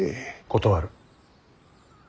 断る。